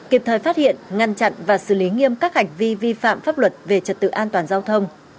kịp thời phát hiện ngăn chặn và xử lý nghiêm các hành vi vi phạm pháp luật về trật tự an toàn giao thông